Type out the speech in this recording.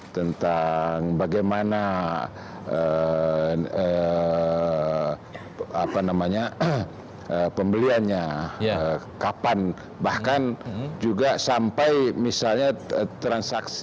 tentang bagaimana pembeliannya kapan bahkan juga sampai misalnya transaksi